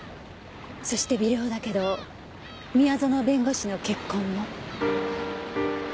そして微量だけど宮園弁護士の血痕も。